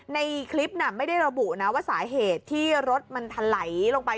ในคลิปน่ะไม่ได้ระบุนะว่าสาเหตุที่รถมันถลายลงไป